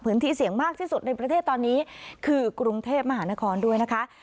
เสี่ยงมากที่สุดในประเทศตอนนี้คือกรุงเทพมหานครด้วยนะคะ